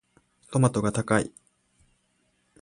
トマトが高い。